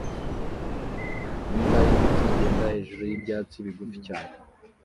Imbwa y'imitsi igenda hejuru y'ibyatsi bigufi cyane